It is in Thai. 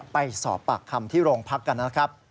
ไปสอบปากคำที่โรงพักกัน